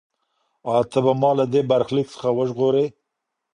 ایا ته به ما له دې برخلیک څخه وژغورې؟